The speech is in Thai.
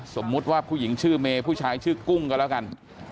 สมมุติว่าผู้หญิงชื่อเมย์ผู้ชายชื่อกุ้งก็แล้วกัน